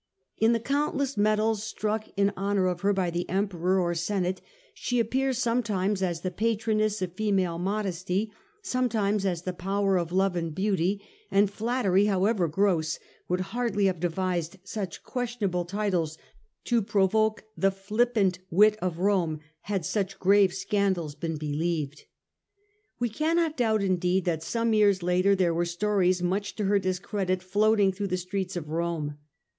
In the countless medals struck in honour of her by the Emperor or Senate she appeared sometimes as the patroness of Female Modesty, sometimes as the power of Love and Beauty ; and flattery, however gross, would hardly have devised such questionable titles to provoke the flippant wit of Rome had such grave scandals been believed. We cannot doubt indeed that some years later there were stories much to her discredit floating through the streets of Rome.